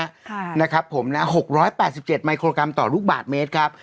ค่ะนะครับผมนะ๖๘๗มิโครกรัมต่อลูกบาทเมตรครับ